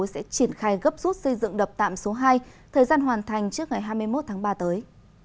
sẽ triển khai gấp rút xây dựng đập tạm số hai thời gian hoàn thành trước ngày hai mươi một tháng ba tới